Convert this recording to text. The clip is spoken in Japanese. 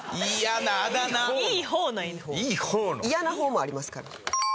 嫌な方もありますから。